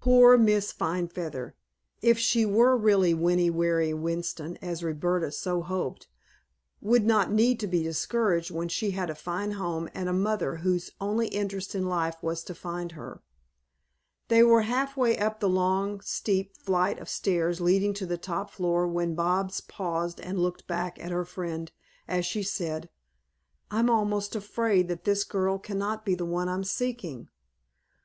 Poor Miss Finefeather, if she were really Winnie Waring Winston, as Roberta so hoped, would not need be discouraged when she had a fine home and a mother whose only interest in life was to find her. They were half way up the long, steep flight of stairs leading to the top floor when Bobs paused and looked back at her friend, as she said: "I'm almost afraid that this girl cannot be the one I am seeking.